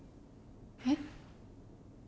えっ？